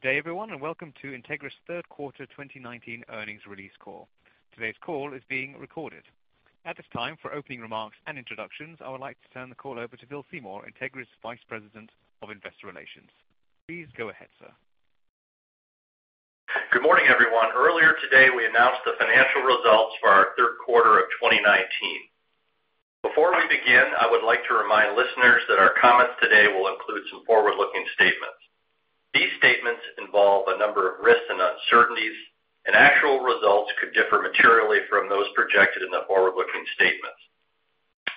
Good day, everyone, and welcome to Entegris' third quarter 2019 earnings release call. Today's call is being recorded. At this time, for opening remarks and introductions, I would like to turn the call over to Bill Seymour, Entegris' Vice President of Investor Relations. Please go ahead, sir. Good morning, everyone. Earlier today, we announced the financial results for our third quarter of 2019. Before we begin, I would like to remind listeners that our comments today will include some forward-looking statements. These statements involve a number of risks and uncertainties, and actual results could differ materially from those projected in the forward-looking statements.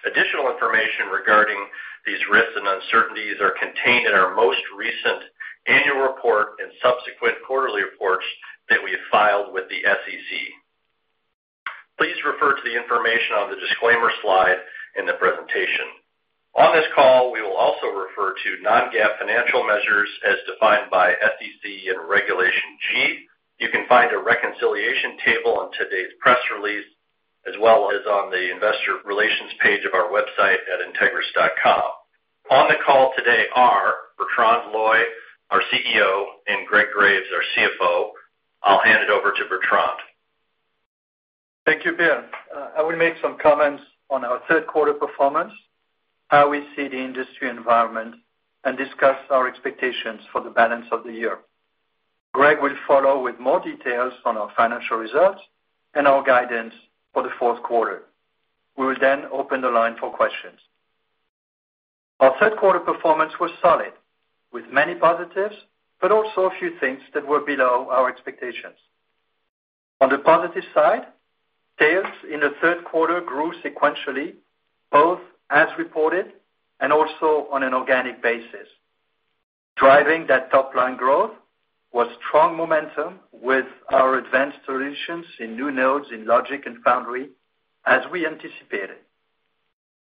Additional information regarding these risks and uncertainties are contained in our most recent annual report and subsequent quarterly reports that we have filed with the SEC. Please refer to the information on the disclaimer slide in the presentation. On this call, we will also refer to non-GAAP financial measures as defined by SEC and Regulation G. You can find a reconciliation table on today's press release, as well as on the investor relations page of our website at entegris.com. On the call today are Bertrand Loy, our CEO, and Greg Graves, our CFO. I'll hand it over to Bertrand. Thank you, Bill. I will make some comments on our third quarter performance, how we see the industry environment, and discuss our expectations for the balance of the year. Greg will follow with more details on our financial results and our guidance for the fourth quarter. We will open the line for questions. Our third quarter performance was solid, with many positives, but also a few things that were below our expectations. On the positive side, sales in the third quarter grew sequentially, both as reported and also on an organic basis. Driving that top-line growth was strong momentum with our advanced solutions in new nodes in logic and foundry, as we anticipated.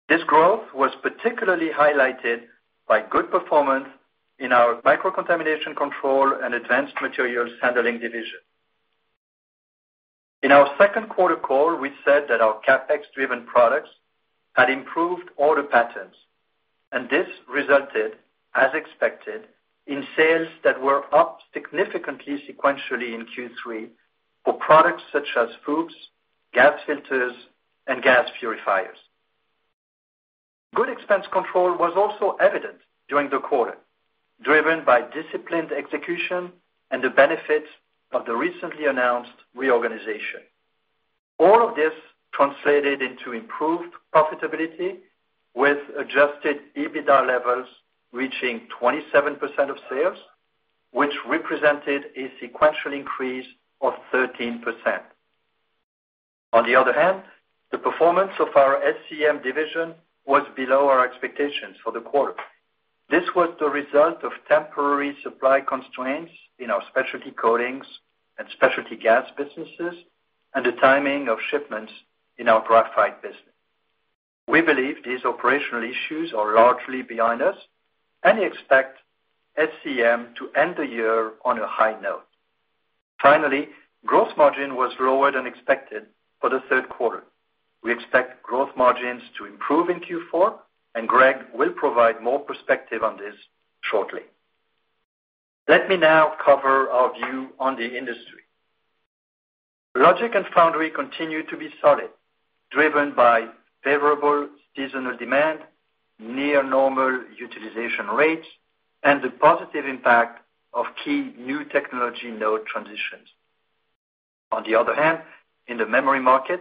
This growth was particularly highlighted by good performance in our Microcontamination Control and Advanced Materials Handling Division. In our second quarter call, we said that our CapEx-driven products had improved order patterns. This resulted, as expected, in sales that were up significantly sequentially in Q3 for products such as FOUPs, gas filters, and gas purifiers. Good expense control was also evident during the quarter, driven by disciplined execution and the benefits of the recently announced reorganization. All of this translated into improved profitability, with adjusted EBITDA levels reaching 27% of sales, which represented a sequential increase of 13%. On the other hand, the performance of our SCEM division was below our expectations for the quarter. This was the result of temporary supply constraints in our specialty coatings and specialty gas businesses and the timing of shipments in our graphite business. We believe these operational issues are largely behind us and expect SCEM to end the year on a high note. Finally, gross margin was lower than expected for the third quarter. We expect gross margins to improve in Q4, and Greg will provide more perspective on this shortly. Let me now cover our view on the industry. Logic and foundry continue to be solid, driven by favorable seasonal demand, near normal utilization rates, and the positive impact of key new technology node transitions. On the other hand, in the memory market,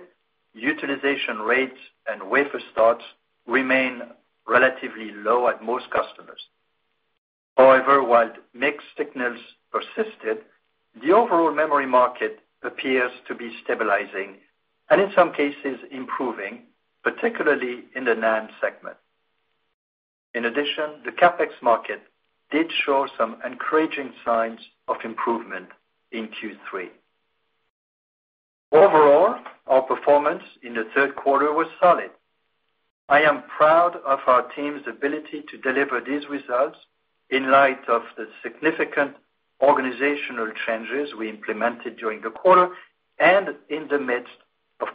utilization rates and wafer starts remain relatively low at most customers. However, while mixed signals persisted, the overall memory market appears to be stabilizing and, in some cases, improving, particularly in the NAND segment. In addition, the CapEx market did show some encouraging signs of improvement in Q3. Overall, our performance in the third quarter was solid. I am proud of our team's ability to deliver these results in light of the significant organizational changes we implemented during the quarter and in the midst of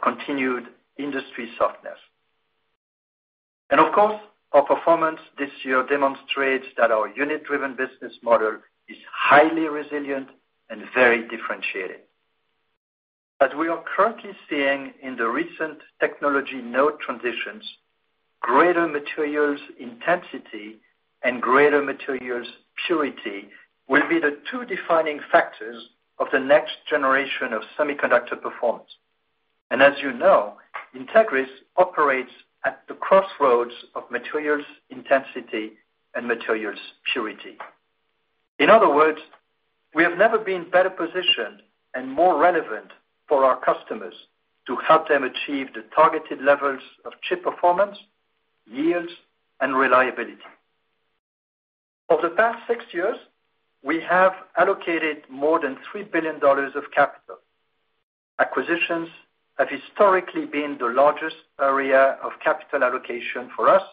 continued industry softness. Of course, our performance this year demonstrates that our unit-driven business model is highly resilient and very differentiated. As we are currently seeing in the recent technology node transitions, greater materials intensity and greater materials purity will be the two defining factors of the next generation of semiconductor performance. As you know, Entegris operates at the crossroads of materials intensity and materials purity. In other words, we have never been better positioned and more relevant for our customers to help them achieve the targeted levels of chip performance, yields, and reliability. Over the past 6 years, we have allocated more than $3 billion of capital. Acquisitions have historically been the largest area of capital allocation for us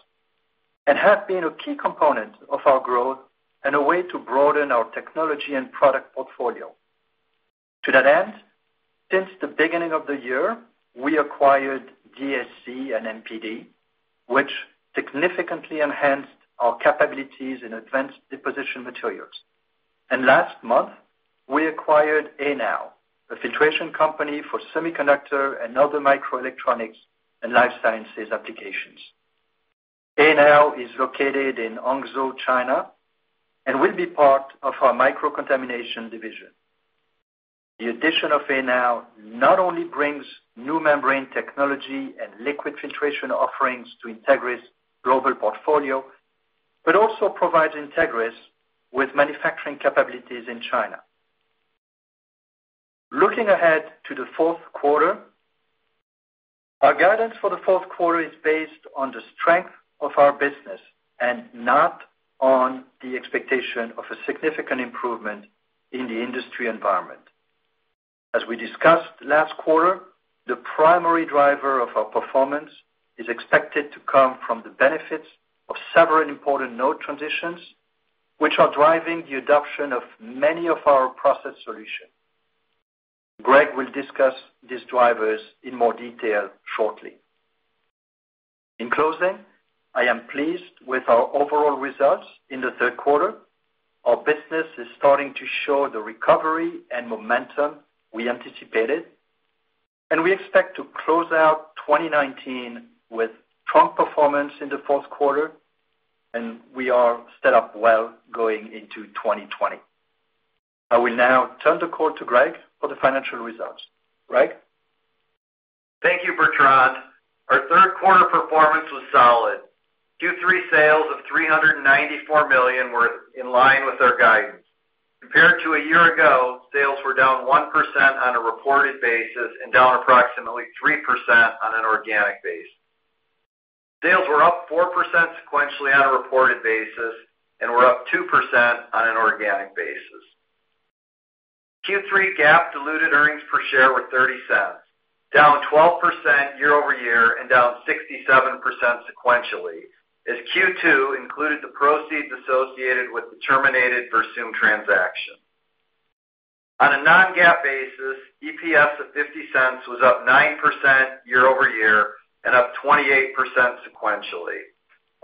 and have been a key component of our growth and a way to broaden our technology and product portfolio. To that end, since the beginning of the year, we acquired DSC and MPD, which significantly enhanced our capabilities in advanced deposition materials. Last month, we acquired Anow, a filtration company for semiconductor and other microelectronics and life sciences applications. Anow is located in Hangzhou, China, and will be part of our microcontamination division. The addition of Anow not only brings new membrane technology and liquid filtration offerings to Entegris' global portfolio, but also provides Entegris with manufacturing capabilities in China. Looking ahead to the fourth quarter, our guidance for the fourth quarter is based on the strength of our business and not on the expectation of a significant improvement in the industry environment. As we discussed last quarter, the primary driver of our performance is expected to come from the benefits of several important node transitions, which are driving the adoption of many of our process solutions. Greg will discuss these drivers in more detail shortly. In closing, I am pleased with our overall results in the third quarter. Our business is starting to show the recovery and momentum we anticipated, and we expect to close out 2019 with strong performance in the fourth quarter, and we are set up well going into 2020. I will now turn the call to Greg for the financial results. Greg? Thank you, Bertrand. Our third quarter performance was solid. Q3 sales of $394 million were in line with our guidance. Compared to a year ago, sales were down 1% on a reported basis and down approximately 3% on an organic basis. Sales were up 4% sequentially on a reported basis and were up 2% on an organic basis. Q3 GAAP diluted earnings per share were $0.30, down 12% year-over-year and down 67% sequentially, as Q2 included the proceeds associated with the terminated Versum transaction. On a non-GAAP basis, EPS of $0.50 was up 9% year-over-year and up 28% sequentially.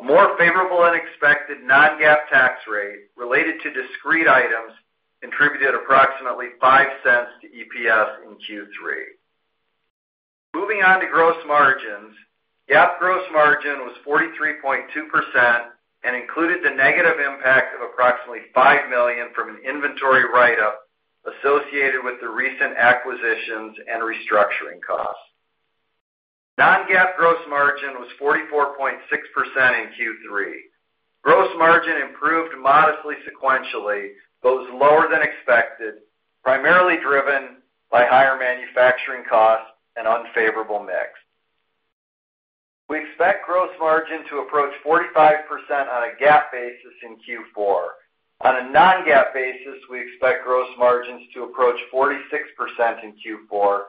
A more favorable than expected non-GAAP tax rate related to discrete items contributed approximately $0.05 to EPS in Q3. Moving on to gross margins. GAAP gross margin was 43.2% and included the negative impact of approximately $5 million from an inventory write-up associated with the recent acquisitions and restructuring costs. Non-GAAP gross margin was 44.6% in Q3. Gross margin improved modestly sequentially, but was lower than expected, primarily driven by higher manufacturing costs and unfavorable mix. We expect gross margin to approach 45% on a GAAP basis in Q4. On a non-GAAP basis, we expect gross margins to approach 46% in Q4,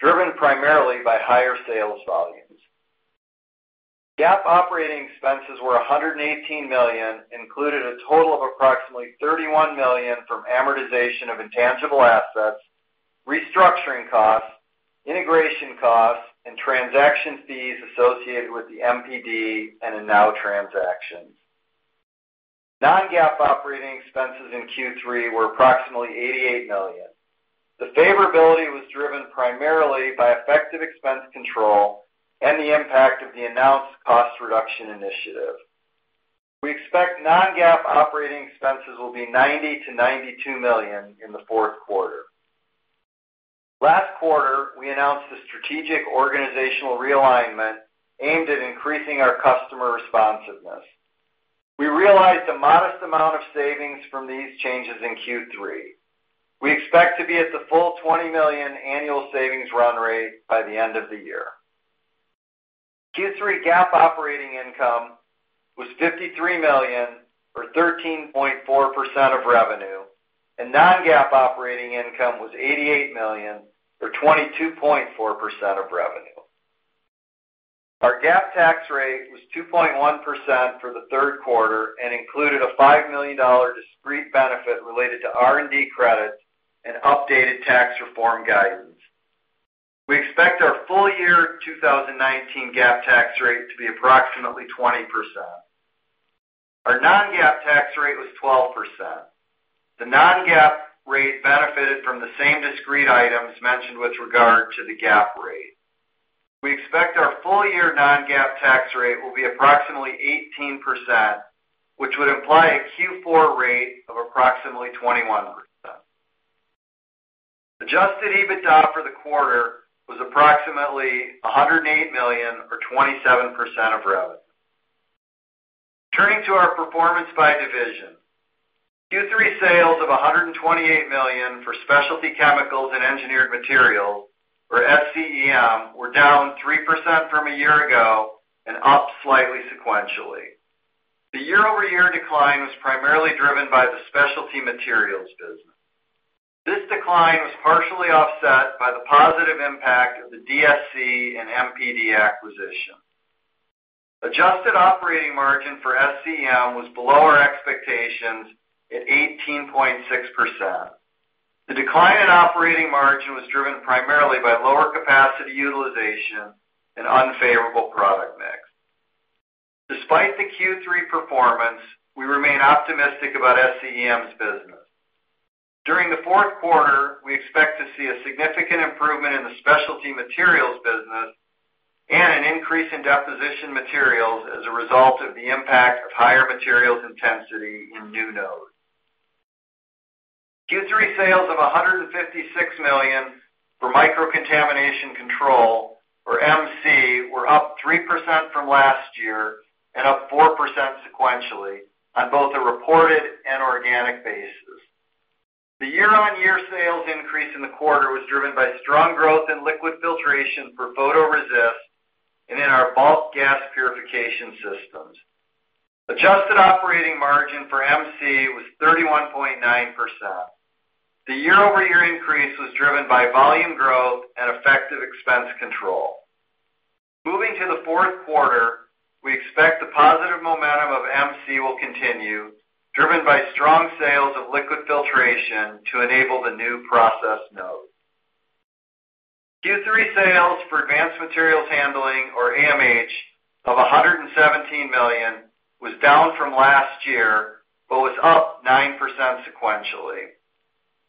driven primarily by higher sales volumes. GAAP operating expenses were $118 million, included a total of approximately $31 million from amortization of intangible assets, restructuring costs, integration costs, and transaction fees associated with the MPD and Anow transactions. Non-GAAP operating expenses in Q3 were approximately $88 million. The favorability was driven primarily by effective expense control and the impact of the announced cost reduction initiative. We expect non-GAAP operating expenses will be $90 million-$92 million in the fourth quarter. Last quarter, we announced a strategic organizational realignment aimed at increasing our customer responsiveness. We realized a modest amount of savings from these changes in Q3. We expect to be at the full $20 million annual savings run rate by the end of the year. Q3 GAAP operating income was $53 million or 13.4% of revenue, and non-GAAP operating income was $88 million or 22.4% of revenue. Our GAAP tax rate was 2.1% for the third quarter and included a $5 million discrete benefit related to R&D credits and updated tax reform guidance. We expect our full year 2019 GAAP tax rate to be approximately 20%. Our non-GAAP tax rate was 12%. The non-GAAP rate benefited from the same discrete items mentioned with regard to the GAAP rate. We expect our full-year non-GAAP tax rate will be approximately 18%, which would imply a Q4 rate of approximately 21%. Adjusted EBITDA for the quarter was approximately $108 million, or 27% of revenue. Turning to our performance by division. Q3 sales of $128 million for Specialty Chemicals and Engineered Materials, or SCEM, were down 3% from a year ago and up slightly sequentially. The year-over-year decline was primarily driven by the specialty materials business. This decline was partially offset by the positive impact of the DSC and MPD acquisitions. Adjusted operating margin for SCEM was below our expectations at 18.6%. The decline in operating margin was driven primarily by lower capacity utilization and unfavorable product mix. Despite the Q3 performance, we remain optimistic about SCEM's business. During the fourth quarter, we expect to see a significant improvement in the specialty materials business and an increase in deposition materials as a result of the impact of higher materials intensity in new nodes. Q3 sales of $156 million for Microcontamination Control, or MC, were up 3% from last year and up 4% sequentially on both a reported and organic basis. The year-on-year sales increase in the quarter was driven by strong growth in liquid filtration for photoresist and in our bulk gas purification systems. Adjusted operating margin for MC was 31.9%. The year-over-year increase was driven by volume growth and effective expense control. Moving to the fourth quarter, we expect the positive momentum of MC will continue, driven by strong sales of liquid filtration to enable the new process node. Q3 sales for Advanced Materials Handling, or AMH, of $117 million was down from last year, but was up 9% sequentially.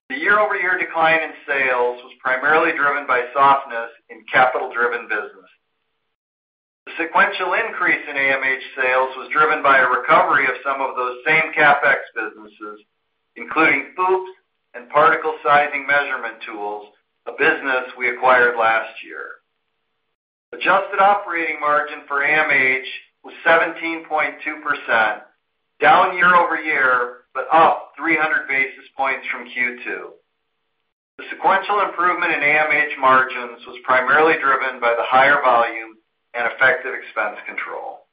The year-over-year decline in sales was primarily driven by softness in capital-driven business. The sequential increase in AMH sales was driven by a recovery of some of those same CapEx businesses, including FOUPs and particle sizing measurement tools, a business we acquired last year. Adjusted operating margin for AMH was 17.2%, down year-over-year, but up 300 basis points from Q2. The sequential improvement in AMH margins was primarily driven by the higher volume and effective expense control.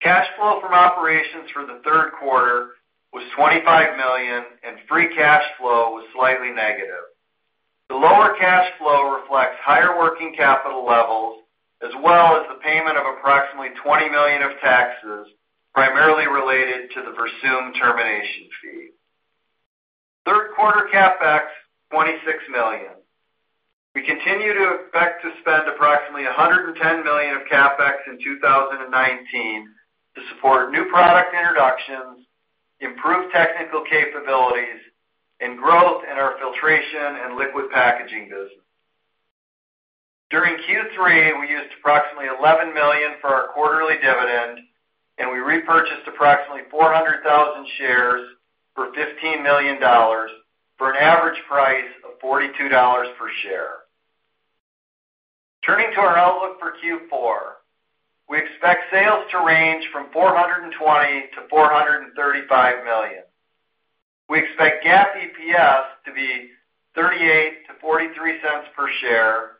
Cash flow from operations for the third quarter was $25 million, and free cash flow was slightly negative. The lower cash flow reflects higher working capital levels, as well as the payment of approximately $20 million of taxes, primarily related to the Versum termination fee. Third-quarter CapEx, $26 million. We continue to expect to spend approximately $110 million of CapEx in 2019 to support new product introductions, improve technical capabilities, and growth in our filtration and liquid packaging business. During Q3, we used approximately $11 million for our quarterly dividend, and we repurchased approximately 400,000 shares for $15 million for an average price of $42 per share. Turning to our outlook for Q4, we expect sales to range from $420 million-$435 million. We expect GAAP EPS to be $0.38-$0.43 per share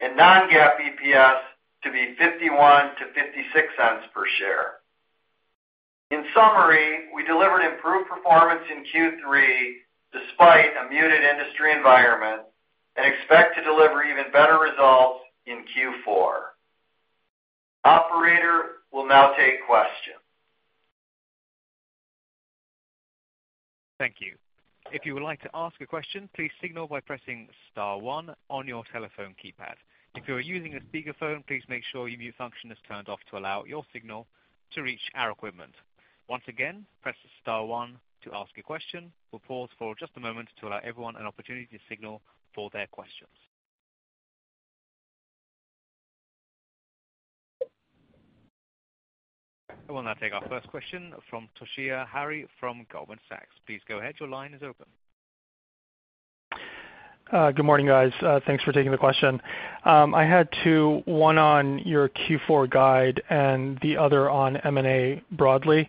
and non-GAAP EPS to be $0.51-$0.56 per share. In summary, we delivered improved performance in Q3 despite a muted industry environment and expect to deliver even better results in Q4. Operator, we'll now take questions. Thank you. If you would like to ask a question, please signal by pressing *1 on your telephone keypad. If you are using a speakerphone, please make sure your mute function is turned off to allow your signal to reach our equipment. Once again, press *1 to ask a question. We'll pause for just a moment to allow everyone an opportunity to signal for their questions. I will now take our first question from Toshiya Hari from Goldman Sachs. Please go ahead. Your line is open. Good morning, guys. Thanks for taking the question. I had two, one on your Q4 guide and the other on M&A broadly.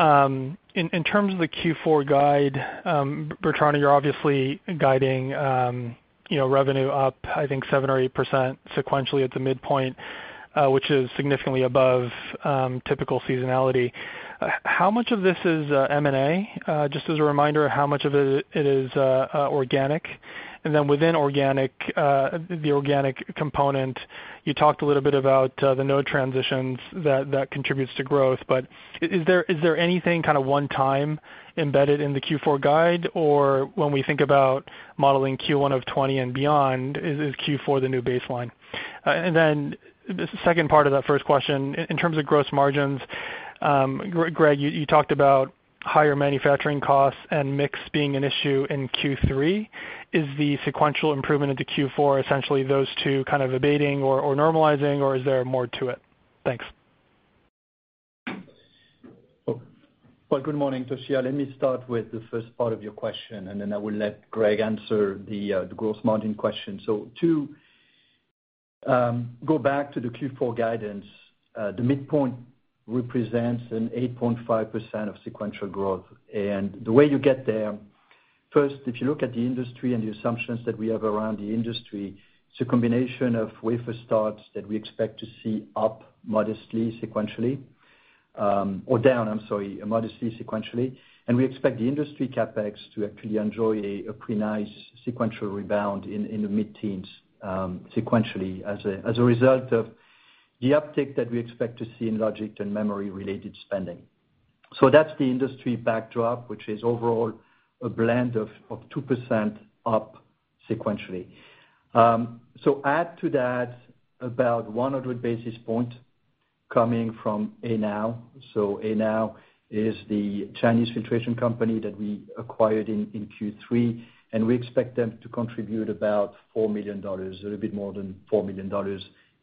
In terms of the Q4 guide, Bertrand, you're obviously guiding revenue up, I think 7% or 8% sequentially at the midpoint, which is significantly above typical seasonality. How much of this is M&A? Just as a reminder, how much of it is organic? Then within the organic component, you talked a little bit about the node transitions that contributes to growth. Is there anything one time embedded in the Q4 guide? When we think about modeling Q1 of 2020 and beyond, is Q4 the new baseline? Then the second part of that first question, in terms of gross margins, Greg, you talked about higher manufacturing costs and mix being an issue in Q3. Is the sequential improvement into Q4 essentially those two kind of abating or normalizing, or is there more to it? Thanks. Well, good morning, Toshiya. Let me start with the first part of your question, and then I will let Greg answer the gross margin question. To go back to the Q4 guidance, the midpoint represents an 8.5% of sequential growth. The way you get there, first, if you look at the industry and the assumptions that we have around the industry, it's a combination of wafer starts that we expect to see up modestly sequentiallyOr down, I'm sorry, modestly sequentially. We expect the industry CapEx to actually enjoy a pretty nice sequential rebound in the mid-teens sequentially as a result of the uptick that we expect to see in logic and memory-related spending. That's the industry backdrop, which is overall a blend of 2% up sequentially. Add to that about 100 basis points coming from Anow. Anow is the Chinese filtration company that we acquired in Q3, and we expect them to contribute about $4 million, a little bit more than $4 million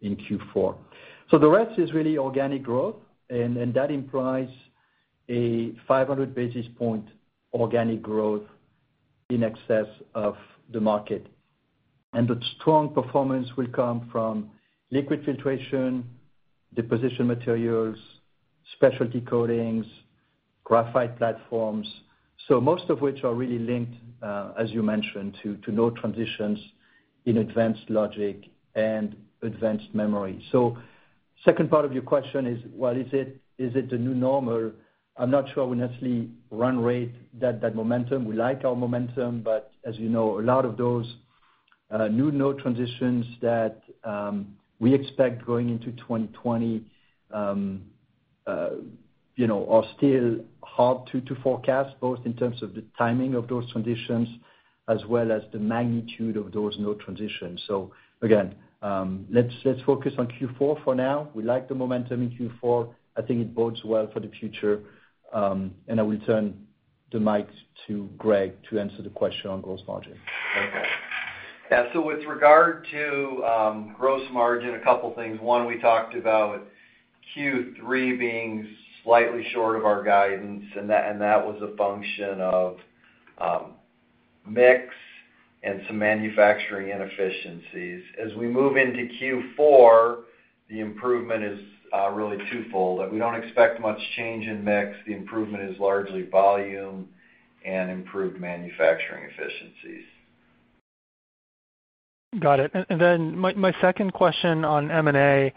in Q4. The rest is really organic growth, and that implies a 500 basis point organic growth in excess of the market. That strong performance will come from liquid filtration, deposition materials, specialty coatings, graphite platforms. Most of which are really linked, as you mentioned, to node transitions in advanced logic and advanced memory. Second part of your question is, well, is it the new normal? I'm not sure we naturally run rate that momentum. We like our momentum, as you know, a lot of those new node transitions that we expect going into 2020 are still hard to forecast, both in terms of the timing of those transitions, as well as the magnitude of those node transitions. Again, let's focus on Q4 for now. We like the momentum in Q4. I think it bodes well for the future. I will turn the mic to Greg to answer the question on gross margin. With regard to gross margin, a couple things. One, we talked about Q3 being slightly short of our guidance, and that was a function of mix and some manufacturing inefficiencies. As we move into Q4, the improvement is really twofold. We don't expect much change in mix. The improvement is largely volume and improved manufacturing efficiencies. Got it. My second question on M&A.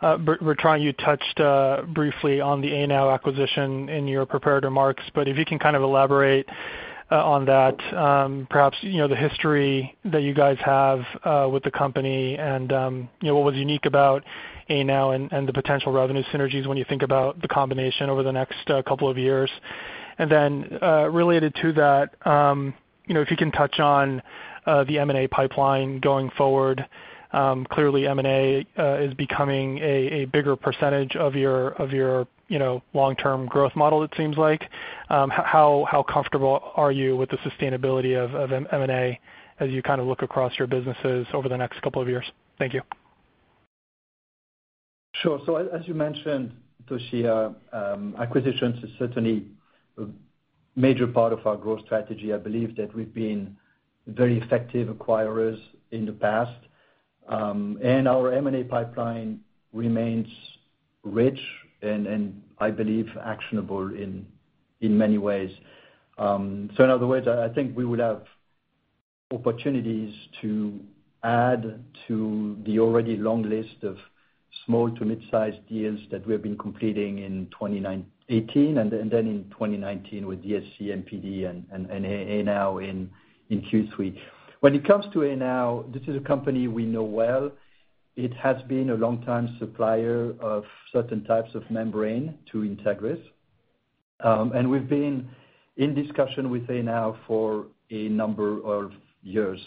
Bertrand, you touched briefly on the Anow acquisition in your prepared remarks, but if you can kind of elaborate on that, perhaps the history that you guys have with the company and what was unique about Anow and the potential revenue synergies when you think about the combination over the next couple of years. Related to that, if you can touch on the M&A pipeline going forward. Clearly M&A is becoming a bigger % of your long-term growth model, it seems like. How comfortable are you with the sustainability of M&A as you kind of look across your businesses over the next couple of years? Thank you. Sure. As you mentioned, Toshiya, acquisitions is certainly a major part of our growth strategy. I believe that we've been very effective acquirers in the past. Our M&A pipeline remains rich and I believe actionable in many ways. In other words, I think we will have opportunities to add to the already long list of small to mid-size deals that we have been completing in 2018, and then in 2019 with DSC, MPD, and ANow in Q3. When it comes to ANow, this is a company we know well. It has been a long-time supplier of certain types of membrane to Entegris. We've been in discussion with ANow for a number of years.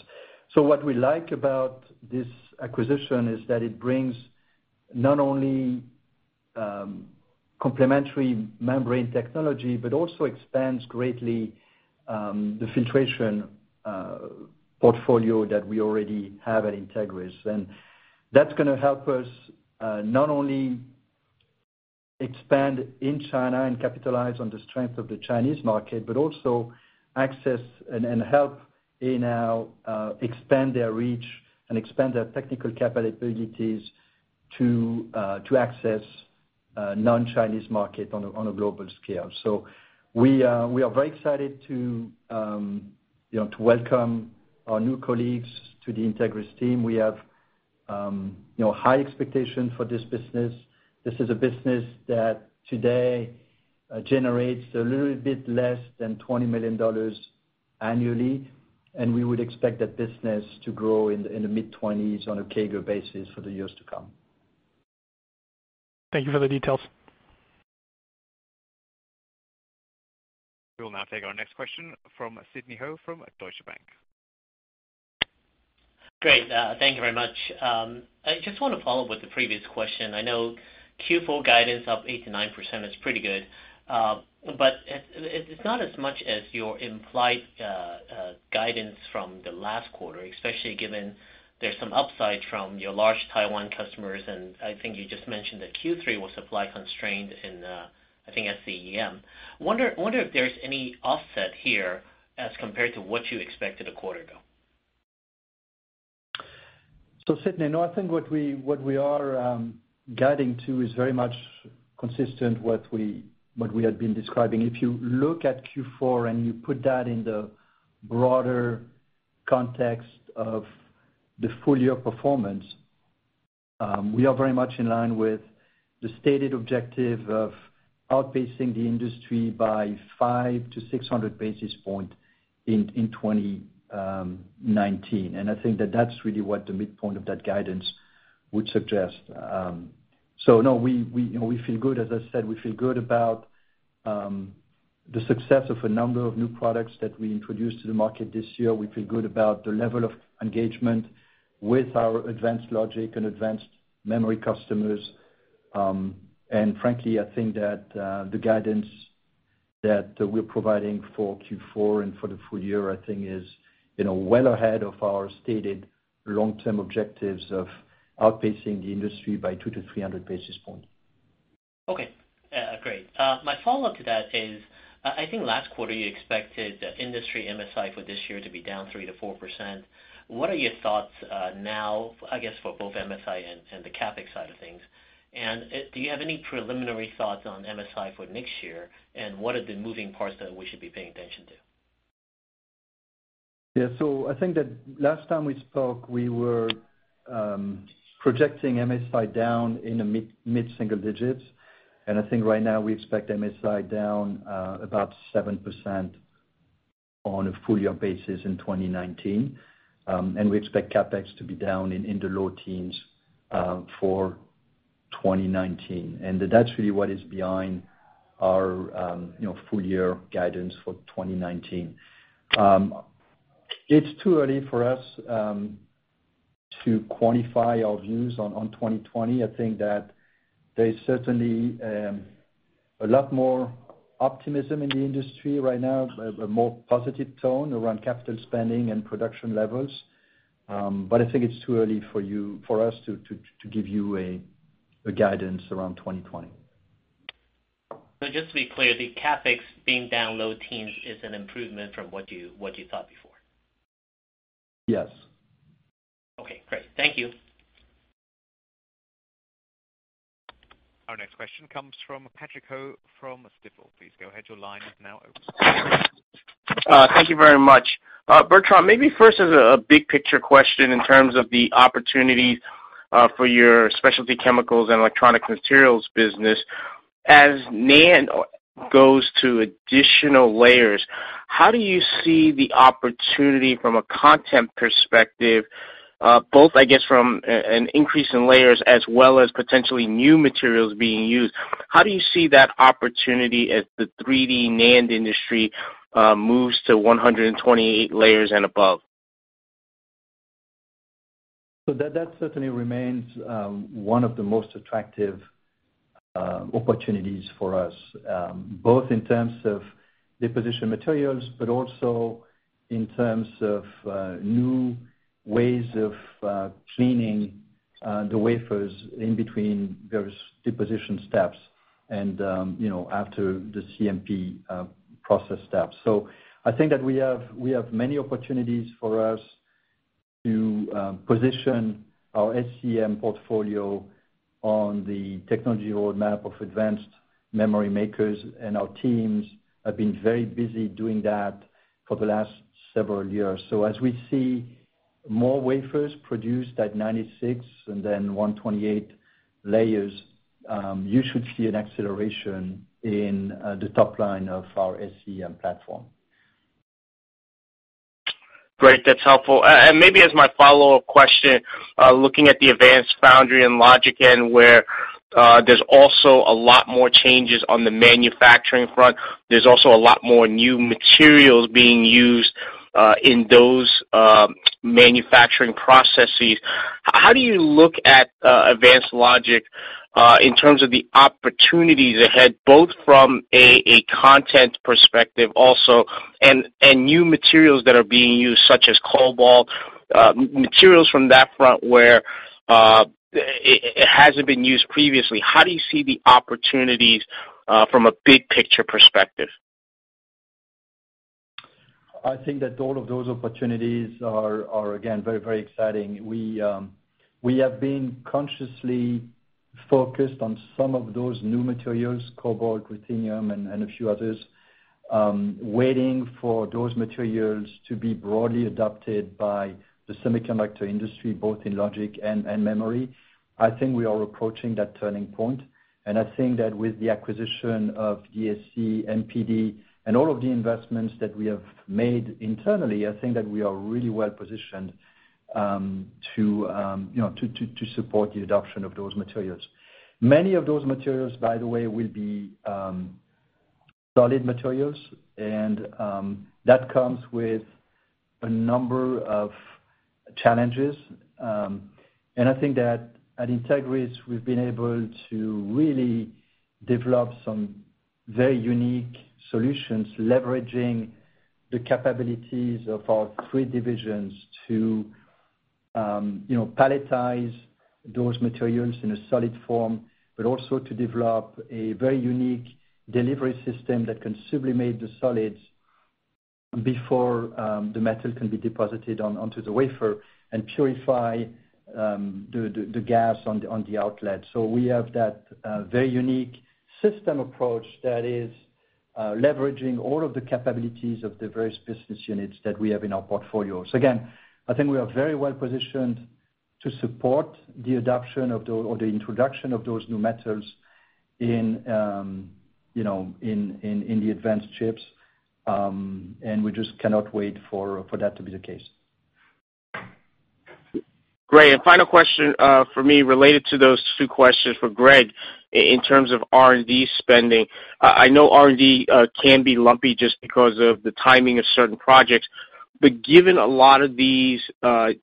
What we like about this acquisition is that it brings not only complementary membrane technology, but also expands greatly the filtration portfolio that we already have at Entegris. That's going to help us not only expand in China and capitalize on the strength of the Chinese market, but also access and help Anow expand their reach and expand their technical capabilities to access non-Chinese market on a global scale. We are very excited to welcome our new colleagues to the Entegris team. We have high expectations for this business. This is a business that today generates a little bit less than $20 million annually, and we would expect that business to grow in the mid-20s on a CAGR basis for the years to come. Thank you for the details. We will now take our next question from Sidney Ho from Deutsche Bank. Great. Thank you very much. I just want to follow up with the previous question. I know Q4 guidance up 8%-9% is pretty good. It's not as much as your implied guidance from the last quarter, especially given there's some upside from your large Taiwan customers, and I think you just mentioned that Q3 was supply constrained in, I think, SCEM. I wonder if there's any offset here as compared to what you expected a quarter ago. Sidney, no, I think what we are guiding to is very much consistent what we had been describing. If you look at Q4 and you put that in the broader context of the full year performance, we are very much in line with the stated objective of outpacing the industry by 500 to 600 basis points in 2019. I think that that's really what the midpoint of that guidance would suggest. No, we feel good. As I said, we feel good about the success of a number of new products that we introduced to the market this year. We feel good about the level of engagement with our advanced logic and advanced memory customers. Frankly, I think that, the guidance that we're providing for Q4 and for the full year, I think is well ahead of our stated long-term objectives of outpacing the industry by 200-300 basis point. Okay. Great. My follow-up to that is, I think last quarter you expected industry MSI for this year to be down 3% to 4%. What are your thoughts now, I guess, for both MSI and the CapEx side of things? Do you have any preliminary thoughts on MSI for next year, and what are the moving parts that we should be paying attention to? Yeah. I think that last time we spoke, we were projecting MSI down in the mid-single digits. I think right now we expect MSI down about 7% on a full-year basis in 2019. We expect CapEx to be down in the low teens for 2019. That's really what is behind our full-year guidance for 2019. It's too early for us to quantify our views on 2020. I think that there's certainly a lot more optimism in the industry right now, a more positive tone around capital spending and production levels. I think it's too early for us to give you a guidance around 2020. Just to be clear, the CapEx being down low teens is an improvement from what you thought before? Yes. Okay, great. Thank you. Our next question comes from Patrick Ho from Stifel. Please go ahead. Your line is now open. Thank you very much. Bertrand, maybe first as a big picture question in terms of the opportunities for your Specialty Chemicals and Electronic Materials business. As NAND goes to additional layers, how do you see the opportunity from a content perspective, both, I guess, from an increase in layers as well as potentially new materials being used? How do you see that opportunity as the 3D NAND industry moves to 128 layers and above? That certainly remains one of the most attractive opportunities for us, both in terms of deposition materials, but also in terms of new ways of cleaning the wafers in between various deposition steps and after the CMP process steps. I think that we have many opportunities for us to position our SCEM portfolio on the technology roadmap of advanced memory makers, and our teams have been very busy doing that for the last several years. As we see more wafers produced at 96 and then 128 layers, you should see an acceleration in the top line of our SCEM platform. Great. That's helpful. Maybe as my follow-up question, looking at the advanced foundry and logic end, where there's also a lot more changes on the manufacturing front, there's also a lot more new materials being used in those manufacturing processes. How do you look at advanced logic in terms of the opportunities ahead, both from a content perspective also and new materials that are being used, such as cobalt, materials from that front where it hasn't been used previously. How do you see the opportunities from a big picture perspective? I think that all of those opportunities are, again, very, very exciting. We have been consciously focused on some of those new materials, cobalt, ruthenium, and a few others, waiting for those materials to be broadly adopted by the semiconductor industry, both in logic and memory. I think we are approaching that turning point, and I think that with the acquisition of DSC, MPD, and all of the investments that we have made internally, I think that we are really well positioned to support the adoption of those materials. Many of those materials, by the way, will be solid materials, and that comes with a number of challenges. I think that at Entegris, we've been able to really develop some very unique solutions, leveraging the capabilities of our three divisions to pelletize those materials in a solid form, but also to develop a very unique delivery system that can sublimate the solids before the metal can be deposited onto the wafer and purify the gas on the outlet. We have that very unique system approach that is leveraging all of the capabilities of the various business units that we have in our portfolio. Again, I think we are very well positioned to support the adoption or the introduction of those new methods in the advanced chips. We just cannot wait for that to be the case. Great. Final question from me, related to those two questions for Greg, in terms of R&D spending. I know R&D can be lumpy just because of the timing of certain projects, but given a lot of these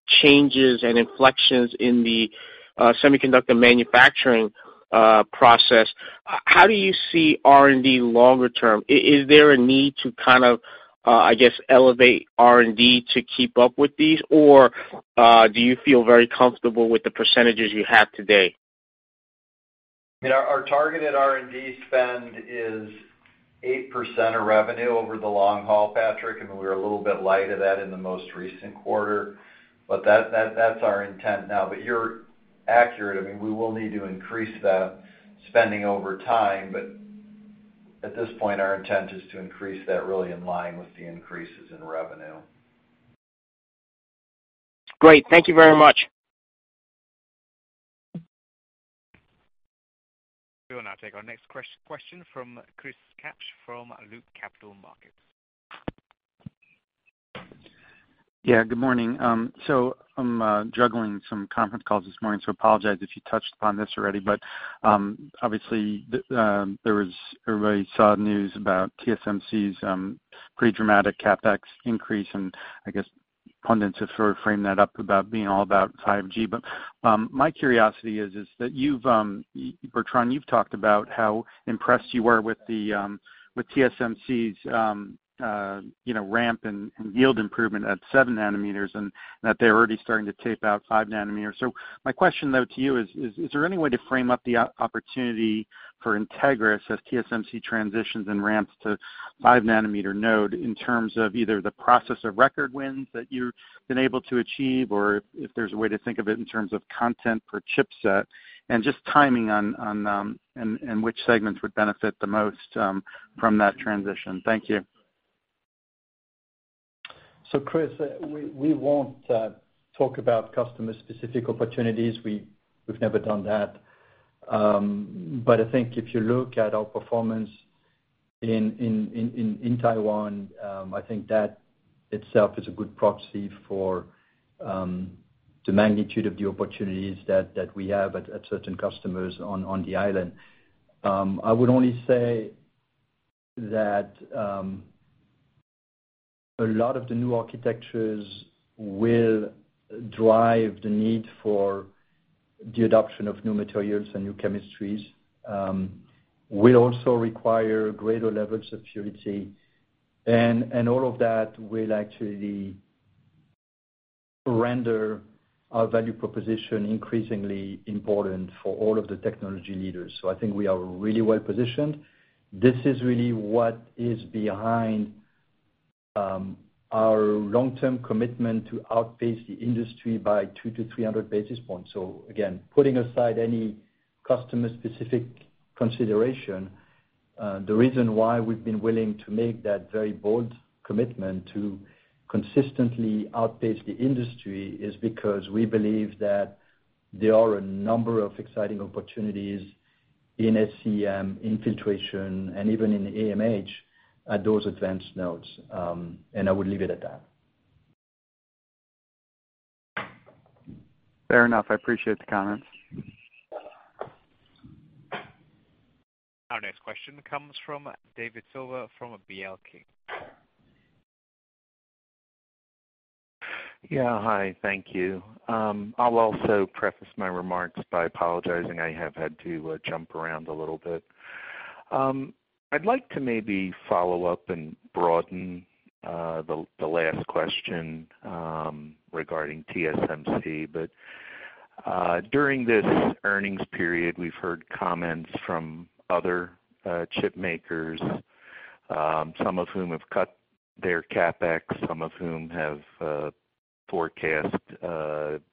changes and inflections in the semiconductor manufacturing process, how do you see R&D longer term? Is there a need to, I guess, elevate R&D to keep up with these, or do you feel very comfortable with the percentages you have today? Our targeted R&D spend is 8% of revenue over the long haul, Patrick, and we were a little bit light of that in the most recent quarter. That's our intent now. You're accurate. We will need to increase that spending over time, but at this point, our intent is to increase that really in line with the increases in revenue. Great. Thank you very much. We will now take our next question from Chris Kapsch from Loop Capital Markets. Yeah, good morning. I'm juggling some conference calls this morning, so apologize if you touched upon this already. Obviously, everybody saw news about TSMC's pretty dramatic CapEx increase, and I guess pundits have sort of framed that up about being all about 5G. My curiosity is that, Bertrand, you've talked about how impressed you were with TSMC's ramp and yield improvement at 7 nanometers and that they're already starting to tape out 5 nanometers. My question, though, to you is there any way to frame up the opportunity for Entegris as TSMC transitions and ramps to 5-nanometer node in terms of either the process of record wins that you've been able to achieve, or if there's a way to think of it in terms of content per chipset and just timing on them and which segments would benefit the most from that transition. Thank you. Chris, we won't talk about customer-specific opportunities. We've never done that. I think if you look at our performance in Taiwan, I think that itself is a good proxy for the magnitude of the opportunities that we have at certain customers on the island. I would only say that a lot of the new architectures will drive the need for the adoption of new materials and new chemistries, will also require greater levels of purity. All of that will actually render our value proposition increasingly important for all of the technology leaders. I think we are really well positioned. This is really what is behind our long-term commitment to outpace the industry by 2-300 basis points. Again, putting aside any customer-specific consideration, the reason why we've been willing to make that very bold commitment to consistently outpace the industry is because we believe that there are a number of exciting opportunities in SCEM, in filtration, and even in AMH at those advanced nodes. I would leave it at that. Fair enough. I appreciate the comments. Our next question comes from David Silver from C.L. King. Yeah. Hi, thank you. I'll also preface my remarks by apologizing, I have had to jump around a little bit. I'd like to maybe follow up and broaden the last question regarding TSMC. During this earnings period, we've heard comments from other chip makers, some of whom have cut their CapEx, some of whom have forecast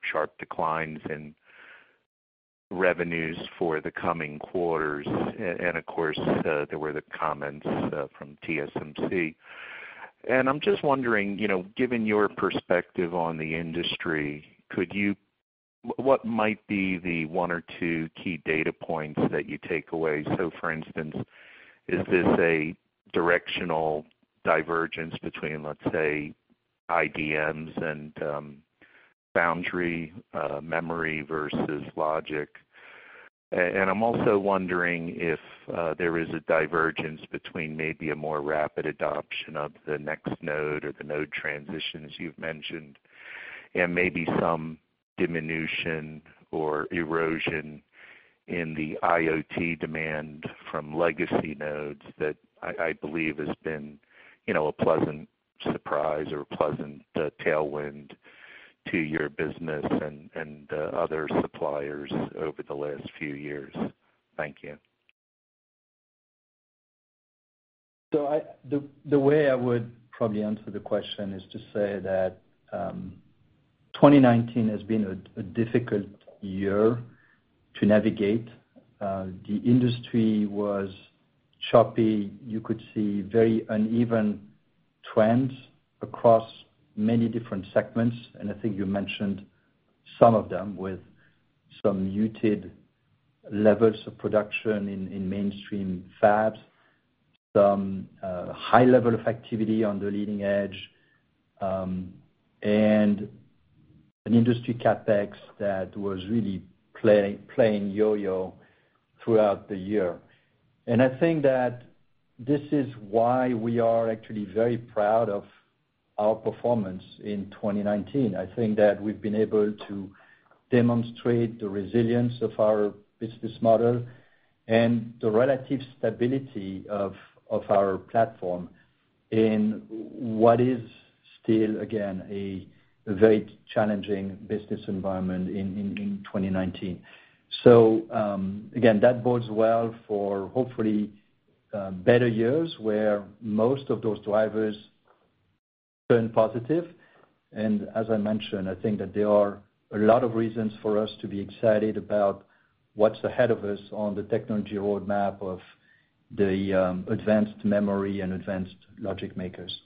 sharp declines in revenues for the coming quarters. Of course, there were the comments from TSMC. I'm just wondering, given your perspective on the industry, what might be the one or two key data points that you take away? For instance, is this a directional divergence between, let's say, IDMs and foundry memory versus logic? I'm also wondering if there is a divergence between maybe a more rapid adoption of the next node or the node transition, as you've mentioned, and maybe some diminution or erosion in the IoT demand from legacy nodes that I believe has been a pleasant surprise or a pleasant tailwind to your business and other suppliers over the last few years? Thank you. The way I would probably answer the question is to say that 2019 has been a difficult year to navigate. The industry was choppy. You could see very uneven trends across many different segments. I think you mentioned some of them with some muted levels of production in mainstream fabs, some high level of activity on the leading edge, and an industry CapEx that was really playing yo-yo throughout the year. I think that this is why we are actually very proud of our performance in 2019. I think that we've been able to demonstrate the resilience of our business model and the relative stability of our platform in what is still, again, a very challenging business environment in 2019. Again, that bodes well for hopefully better years where most of those drivers turn positive. As I mentioned, I think that there are a lot of reasons for us to be excited about what's ahead of us on the technology roadmap of the advanced memory and advanced logic makers.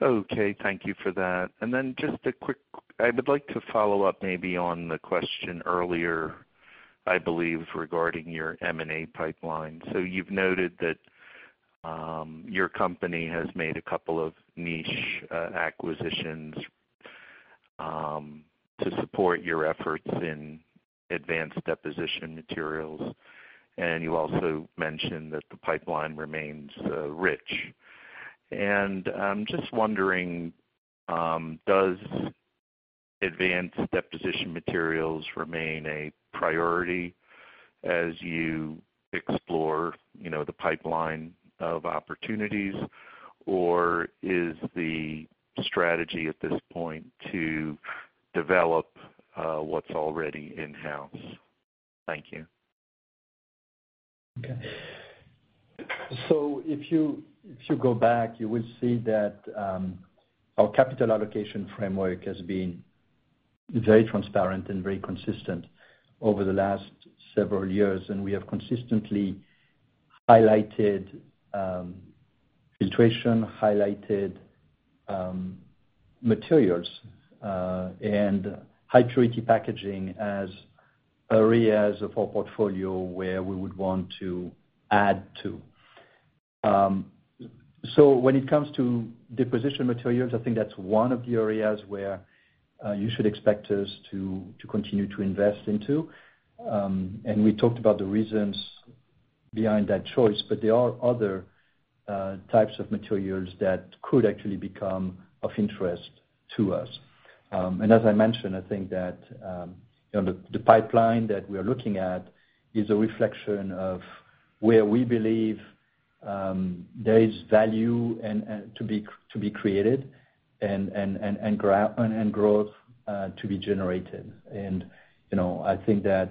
Okay, thank you for that. I would like to follow up maybe on the question earlier, I believe, regarding your M&A pipeline. You've noted that your company has made a couple of niche acquisitions to support your efforts in advanced deposition materials, and you also mentioned that the pipeline remains rich. I'm just wondering, does advanced deposition materials remain a priority as you explore the pipeline of opportunities, or is the strategy at this point to develop what's already in-house? Thank you. Okay. If you go back, you will see that our capital allocation framework has been very transparent and very consistent over the last several years, and we have consistently highlighted filtration, highlighted materials, and high purity packaging as areas of our portfolio where we would want to add to. When it comes to deposition materials, I think that's one of the areas where you should expect us to continue to invest into. We talked about the reasons behind that choice, but there are other types of materials that could actually become of interest to us. As I mentioned, I think that the pipeline that we are looking at is a reflection of where we believe there is value to be created and growth to be generated. I think that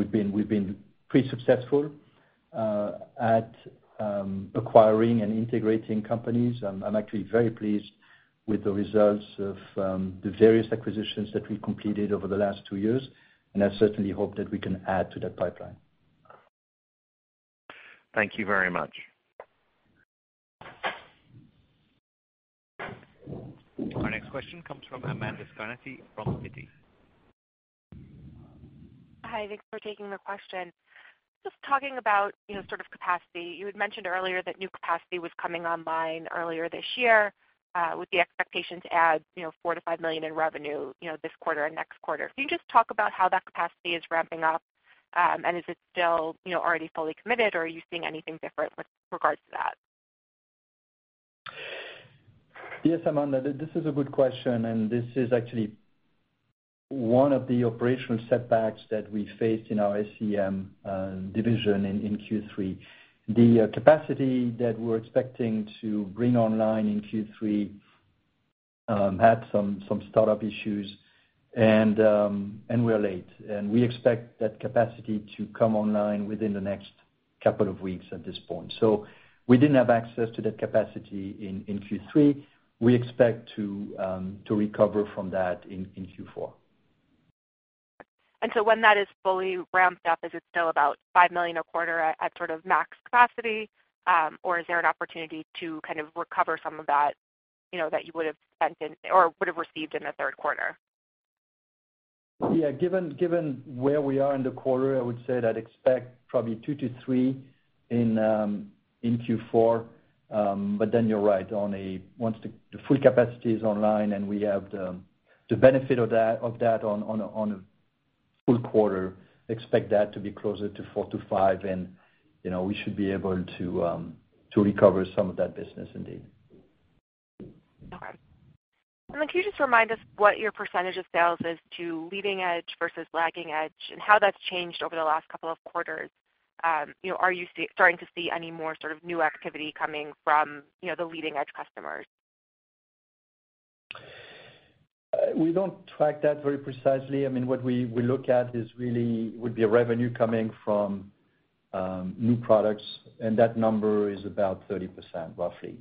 we've been pretty successful at acquiring and integrating companies. I'm actually very pleased with the results of the various acquisitions that we completed over the last two years. I certainly hope that we can add to that pipeline. Thank you very much. Our next question comes from Amanda Scarnati from Citi. Hi, thanks for taking the question. Just talking about sort of capacity. You had mentioned earlier that new capacity was coming online earlier this year, with the expectation to add $4 million-$5 million in revenue this quarter and next quarter. Can you just talk about how that capacity is ramping up? Is it still already fully committed, or are you seeing anything different with regards to that? Yes, Amanda Scarnati, this is a good question. This is actually one of the operational setbacks that we faced in our SCEM division in Q3. The capacity that we're expecting to bring online in Q3 had some startup issues and we're late. We expect that capacity to come online within the next couple of weeks at this point. We didn't have access to that capacity in Q3. We expect to recover from that in Q4. When that is fully ramped up, is it still about $5 million a quarter at sort of max capacity? Or is there an opportunity to kind of recover some of that you would've spent in or would've received in the third quarter? Given where we are in the quarter, I would say I'd expect probably 2-3 in Q4. You're right. Once the full capacity is online and we have the benefit of that on a full quarter, expect that to be closer to 4-5 and we should be able to recover some of that business indeed. Okay. Then can you just remind us what your % of sales is to leading edge versus lagging edge, and how that's changed over the last couple of quarters? Are you starting to see any more sort of new activity coming from the leading edge customers? We don't track that very precisely. What we look at is really would be a revenue coming from new products, and that number is about 30%, roughly.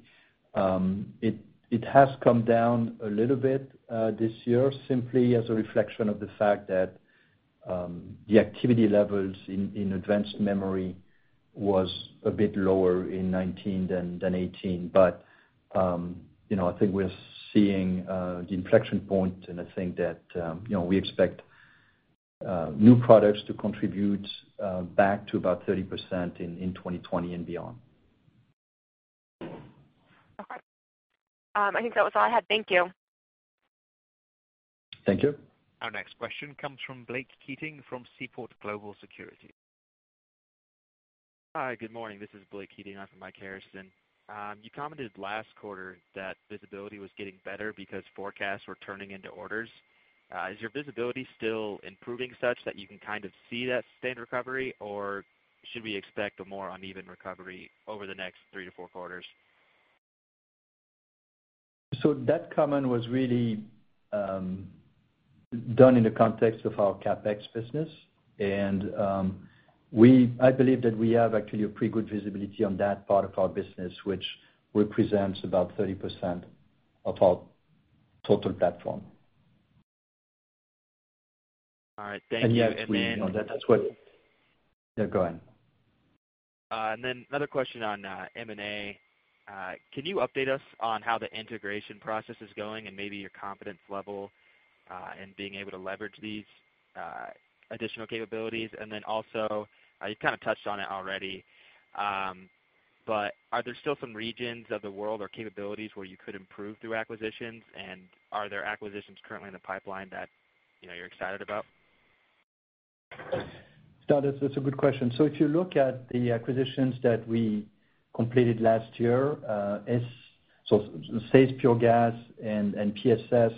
It has come down a little bit this year, simply as a reflection of the fact that the activity levels in advanced memory was a bit lower in 2019 than 2018. I think we're seeing the inflection point, and I think that we expect new products to contribute back to about 30% in 2020 and beyond. Okay. I think that was all I had. Thank you. Thank you. Our next question comes from Blake Keating from Seaport Global Securities. Hi, good morning. This is Blake Keating on for Mike Harrison. You commented last quarter that visibility was getting better because forecasts were turning into orders. Is your visibility still improving such that you can kind of see that sustained recovery, or should we expect a more uneven recovery over the next three to four quarters? That comment was really done in the context of our CapEx business. I believe that we have actually a pretty good visibility on that part of our business, which represents about 30% of our total platform. All right, thank you. Yes, that's what. Yeah, go ahead. Then another question on M&A. Can you update us on how the integration process is going and maybe your confidence level, in being able to leverage these additional capabilities? Then also, you've kind of touched on it already, but are there still some regions of the world or capabilities where you could improve through acquisitions? Are there acquisitions currently in the pipeline that you're excited about? That's a good question. If you look at the acquisitions that we completed last year, SAES Pure Gas and PSS,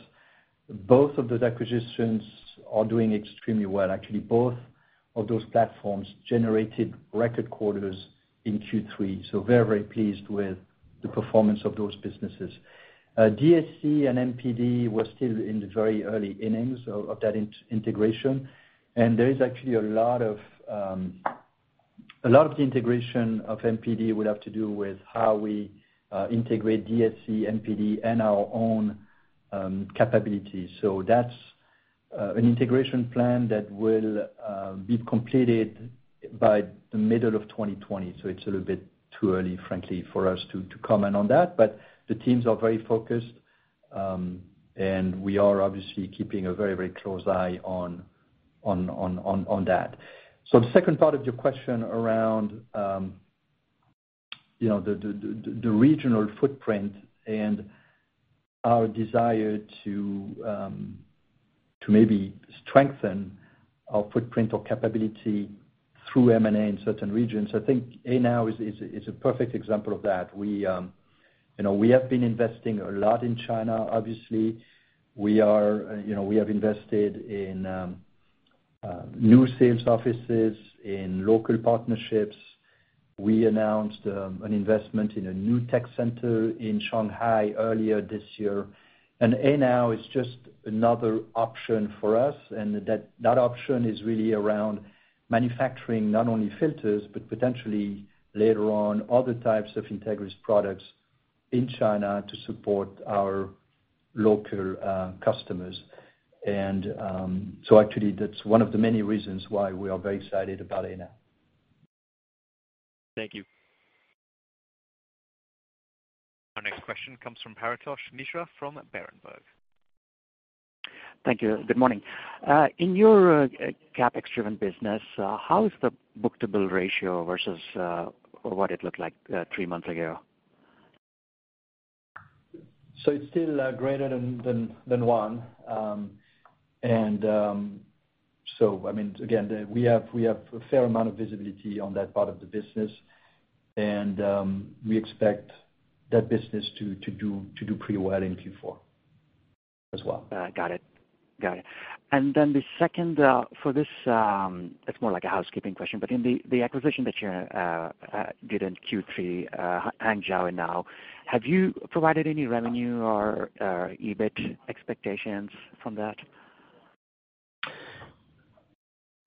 both of those acquisitions are doing extremely well. Actually, both of those platforms generated record quarters in Q3. Very pleased with the performance of those businesses. DSC and MPD, we're still in the very early innings of that integration. There is actually a lot of the integration of MPD will have to do with how we integrate DSC, MPD, and our own capabilities. That's an integration plan that will be completed by the middle of 2020. It's a little bit too early, frankly, for us to comment on that. The teams are very focused, and we are obviously keeping a very close eye on that. The second part of your question around the regional footprint and our desire to maybe strengthen our footprint or capability through M&A in certain regions. I think Anow is a perfect example of that. We have been investing a lot in China, obviously. We have invested in new sales offices, in local partnerships. We announced an investment in a new tech center in Shanghai earlier this year. Anow is just another option for us, and that option is really around manufacturing not only filters, but potentially later on other types of Entegris products in China to support our local customers. Actually, that's one of the many reasons why we are very excited about Anow. Thank you. Our next question comes from Paretosh Misra from Berenberg. Thank you. Good morning. In your CapEx-driven business, how is the book-to-bill ratio versus what it looked like three months ago? It's still greater than one. Again, we have a fair amount of visibility on that part of the business. We expect that business to do pretty well in Q4 as well. Got it. The second, for this, it's more like a housekeeping question, but in the acquisition that you did in Q3, Hangzhou Anow, have you provided any revenue or EBIT expectations from that?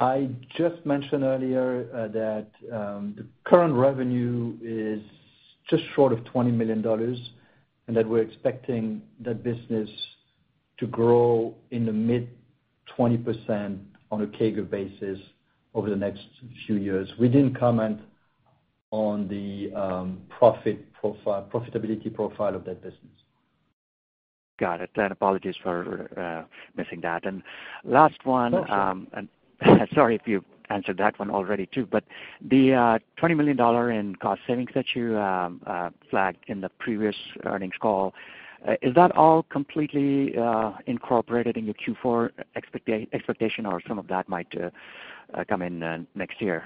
I just mentioned earlier that the current revenue is just short of $20 million, and that we're expecting that business to grow in the mid 20% on a CAGR basis over the next few years. We didn't comment on the profitability profile of that business. Got it. Apologies for missing that. Last one. No, sure. Sorry if you answered that one already too, but the $20 million in cost savings that you flagged in the previous earnings call, is that all completely incorporated in your Q4 expectation, or some of that might come in next year?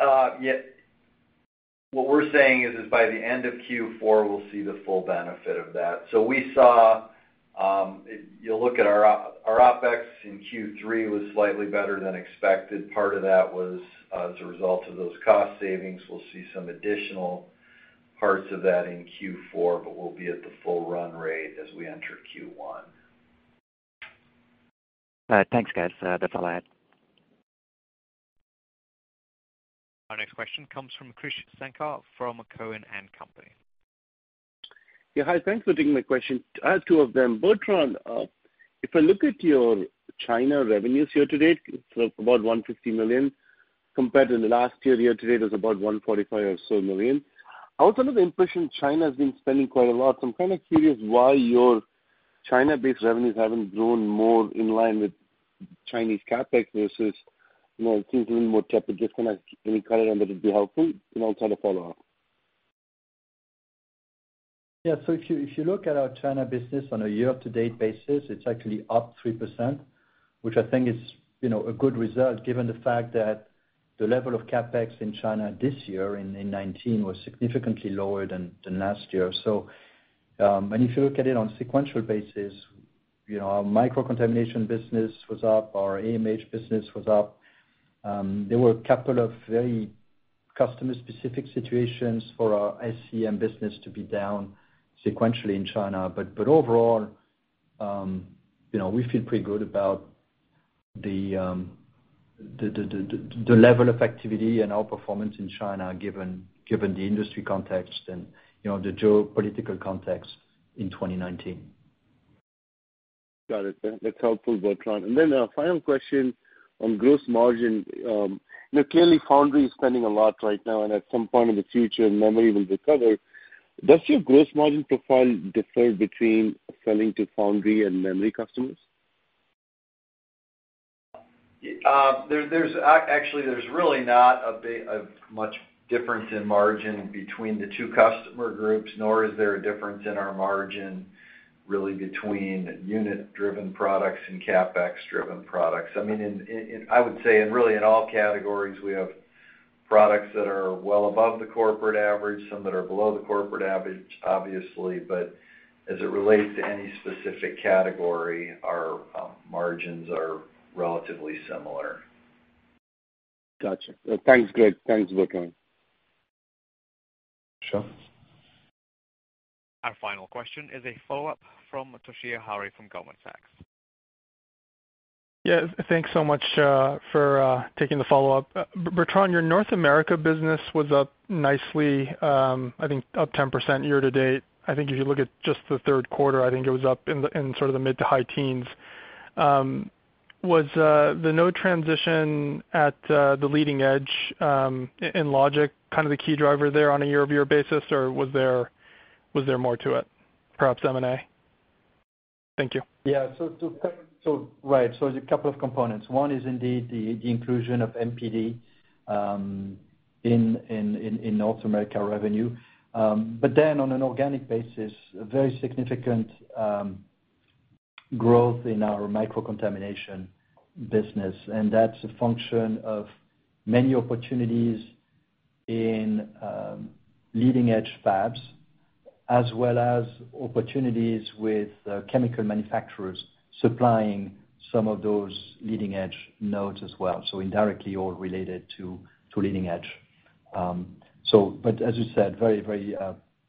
Yeah. What we're saying is by the end of Q4, we'll see the full benefit of that. We saw, if you look at our OpEx in Q3 was slightly better than expected. Part of that was as a result of those cost savings. We'll see some additional parts of that in Q4, but we'll be at the full run rate as we enter Q1. Thanks, guys. That's all I had. Our next question comes from Krish Sankar from Cowen and Company. Hi. Thanks for taking my question. I have two of them. Bertrand, if I look at your China revenues year-to-date, it's about $150 million compared to last year year-to-date was about $145 million or so. I was under the impression China has been spending quite a lot, I'm kind of curious why your China-based revenues haven't grown more in line with Chinese CapEx versus it seems a little more tepid. Just kind of any color on that would be helpful. I'll try to follow up. Yeah. If you look at our China business on a year-to-date basis, it's actually up 3%, which I think is a good result given the fact that the level of CapEx in China this year in 2019 was significantly lower than last year. If you look at it on sequential basis, our micro contamination business was up, our AMH business was up. There were a couple of very customer-specific situations for our ICM business to be down sequentially in China. Overall, we feel pretty good about the level of activity and our performance in China, given the industry context and the geopolitical context in 2019. Got it. That's helpful, Bertrand. Then a final question on gross margin. Clearly foundry is spending a lot right now, and at some point in the future, memory will recover. Does your gross margin profile differ between selling to foundry and memory customers? Actually, there's really not a much difference in margin between the two customer groups, nor is there a difference in our margin really between unit-driven products and CapEx-driven products. I would say in really in all categories, we have products that are well above the corporate average, some that are below the corporate average, obviously. As it relates to any specific category, our margins are relatively similar. Got you. Thanks. Good. Thanks, Bertrand. Sure. Our final question is a follow-up from Toshiya Hari from Goldman Sachs. Thanks so much for taking the follow-up. Bertrand, your North America business was up nicely, I think up 10% year-to-date. I think if you look at just the third quarter, I think it was up in sort of the mid to high teens. Was the node transition at the leading edge in logic kind of the key driver there on a year-over-year basis, or was there more to it, perhaps M&A? Thank you. Yeah. Right. There's a couple of components. One is indeed the inclusion of MPD in North America revenue. On an organic basis, a very significant growth in our micro contamination business, and that's a function of many opportunities in leading edge fabs, as well as opportunities with chemical manufacturers supplying some of those leading edge nodes as well. Indirectly all related to leading edge. As you said, very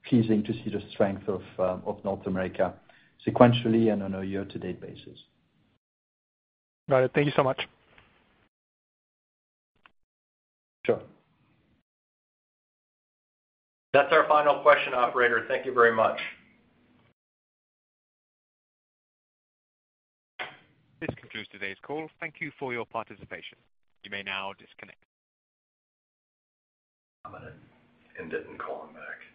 pleasing to see the strength of North America sequentially and on a year-to-date basis. Got it. Thank you so much. Sure. That's our final question, operator. Thank you very much. This concludes today's call. Thank you for your participation. You may now disconnect. I'm going to end it and call him back. Yeah